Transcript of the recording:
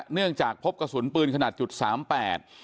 เนื่องจากพบกระสุนปืนขนาด๓๘